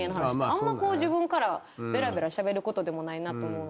あんま自分からベラベラしゃべることでもないと思う。